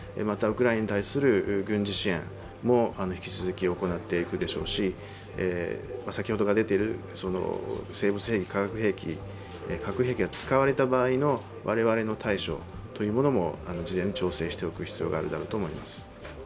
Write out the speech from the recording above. また、ウクライナに対する軍事支援も引き続き行っていくでしょうし先ほどから出ている生物兵器、化学兵器、核兵器が使われた場合の我々の対処というのも事前に調整しておく必要があるだろうと思います。